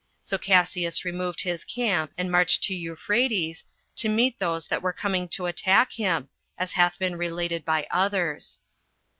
So Cassius removed his camp, and marched to Euphrates, to meet those that were coming to attack him, as hath been related by others.